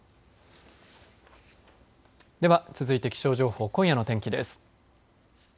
では続いて気象情報、今夜の天気です。